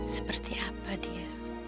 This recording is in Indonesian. seperti apa dia